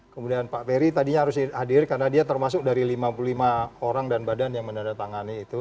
kemudian pak peri tadinya harus hadir karena dia termasuk dari lima puluh lima orang dan badan yang menandatangani itu